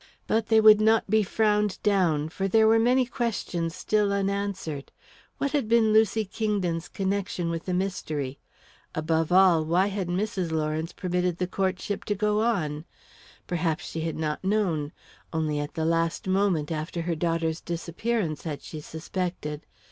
But they would not be frowned down, for there were many questions still unanswered. What had been Lucy Kingdon's connection with the mystery? Above all, why had Mrs. Lawrence permitted the courtship to go on? Perhaps she had not known only at the last moment, after her daughter's disappearance, had she suspected.